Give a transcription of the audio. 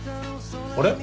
あれ？